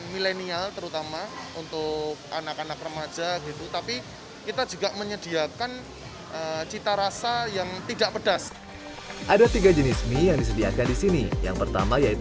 mie di tempat ini terbuat secara berbeda